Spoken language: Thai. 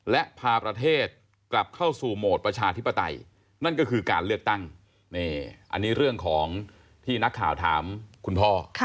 และพาประเทศกลับเข้าสู่โหมดประชาธิปไตยนั่นก็คือการเลือกตั้งอันนี้เรื่องของที่นักข่าวถามคุณพ่อ